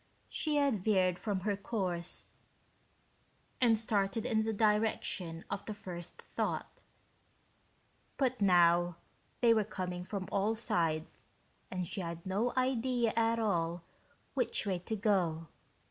She had veered from her course and started in the direction of the first thought, but now they were coming from all sides and she had no idea at all which way to go.